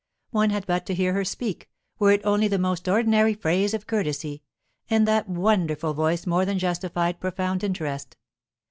One had but to hear her speak, were it only the most ordinary phrase of courtesy, and that wonderful voice more than justified profound interest.